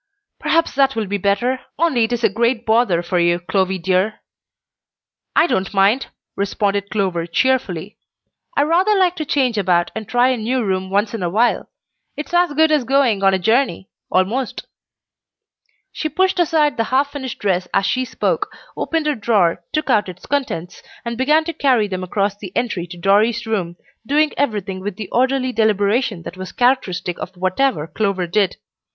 "Perhaps that will be better, only it is a great bother for you, Clovy dear." "I don't mind," responded Clover, cheerfully. "I rather like to change about and try a new room once in a while. It's as good as going on a journey almost." She pushed aside the half finished dress as she spoke, opened a drawer, took out its contents, and began to carry them across the entry to Dorry's room, doing everything with the orderly deliberation that was characteristic of whatever Clover did.